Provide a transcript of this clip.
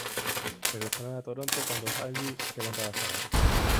Regresaron a Toronto cuando Hadley quedó embarazada.